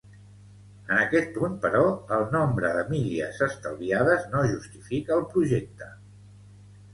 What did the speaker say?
En aquest punt, però, el nombre de milles estalviades no justifica el projecte.